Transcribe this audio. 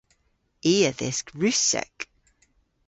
I a dhysk Russek.